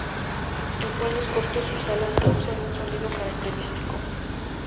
En vuelos cortos sus alas causan un sonido característico.